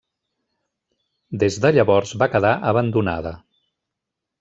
Des de llavors va quedar abandonada.